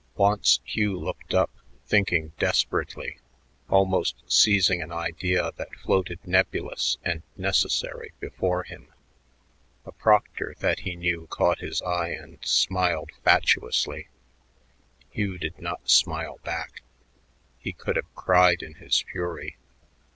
Once Hugh looked up, thinking desperately, almost seizing an idea that floated nebulous and necessary before him. A proctor that he knew caught his eye and smiled fatuously. Hugh did not smile back. He could have cried in his fury.